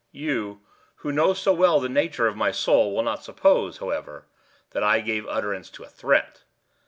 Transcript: You, who so well know the nature of my soul, will not suppose, however, that I gave utterance to a threat.